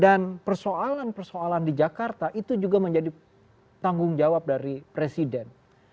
dan persoalan persoalan di jakarta itu juga menjadi tanggung jawab dari anggota dki jakarta